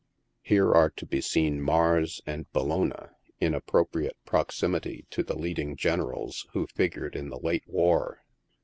Here are to be seen Mars and Bellona, in appropriate proximity to the leading gen erals who figured in the late war.